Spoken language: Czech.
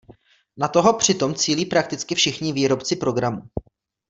Na toho přitom cílí prakticky všichni výrobci programů.